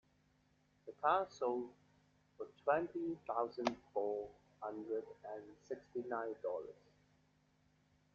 The car sold for twelve thousand four hundred and sixty nine dollars.